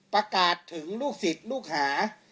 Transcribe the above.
ประกาศถึงลูกศิษย์ลูกหา